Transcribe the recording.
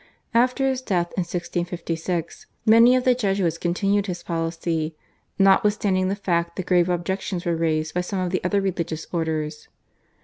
After his death in 1656 many of the Jesuits continued his policy, notwithstanding the fact that grave objections were raised by some of the other religious orders.